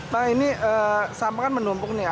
pak ini sampah kan menumpuk nih